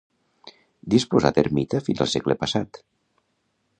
Disposà d'ermità fins al segle passat.